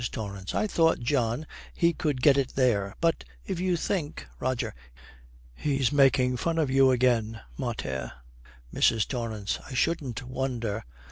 TORRANCE. 'I thought, John, he could get it there. But if you think ' ROGER. 'He's making fun of you again, mater.' MRS. TORRANCE. 'I shouldn't wonder.